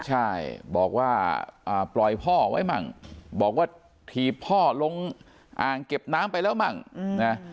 ใช่บอกว่าปล่อยพ่อไว้มั่งบอกว่าถีบพ่อลงอ่างเก็บน้ำไปแล้วมั่งนะ